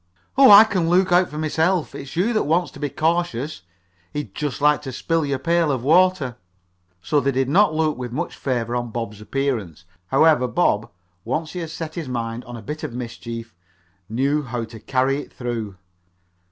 "Oh, I can look out for myself. It's you that wants to be cautious. He'd just like to spill your pail of water." So they did not look with much favor on Bob's appearance. However, Bob, once he had set his mind on a bit of mischief, knew how to carry it through.